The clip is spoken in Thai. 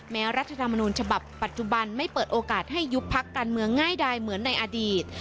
รัฐธรรมนูญฉบับปัจจุบันไม่เปิดโอกาสให้ยุบพักการเมืองง่ายดายเหมือนในอดีต